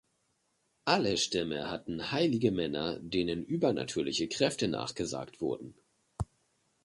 Alle Stämme hatten heilige Männer, denen übernatürliche Kräfte nachgesagt wurden.